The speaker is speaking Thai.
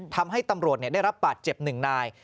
ทำให้ตำรวจได้รับบาดเจ็บ๑นาย